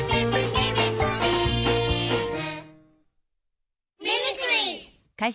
ミミクリーズ！